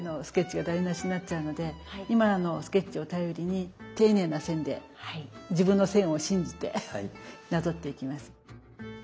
スケッチが台なしになっちゃうので今のスケッチを頼りに丁寧な線で自分の線を信じてなぞっていきます。